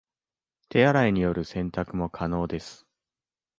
手洗いによる洗濯も可能です